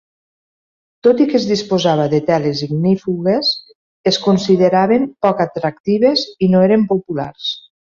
Tot i que es disposava de teles ignífugues, es consideraven poc atractives i no eren populars.